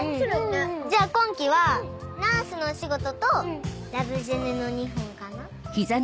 じゃあ今期は『ナースのお仕事』と『ラブジェネ』の２本かな？